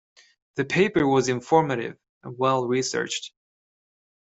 The paper was informative and well researched.